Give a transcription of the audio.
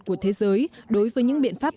của thế giới đối với những biện pháp